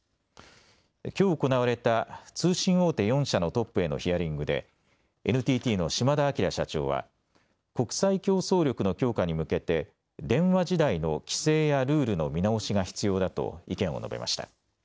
きょう行われた通信大手４社のトップへのヒアリングでＮＴＴの島田明社長は国際競争力の強化に向けて電話時代の規制やルールの見直しが必要だと意見を述べました。